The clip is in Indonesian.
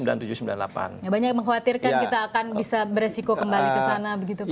banyak yang mengkhawatirkan kita akan bisa beresiko kembali